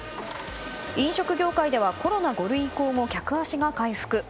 飲食業界ではコロナ５類移行後、客足が回復。